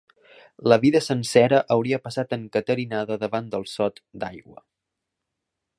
La vida sencera hauria passat encaterinada davant del sot d'aigua